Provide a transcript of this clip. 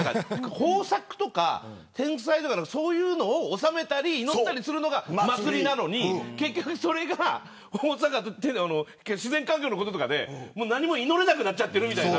豊作とか天災とかそういうのをおさめたり祈ったりするのが祭りなのに結局それが自然環境のこととかで何も祈れなくなっちゃってるみたいな。